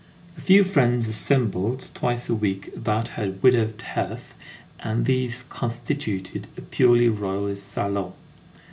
A few friends assembled twice a week about her widowed hearth, and these constituted a purely Royalist salon.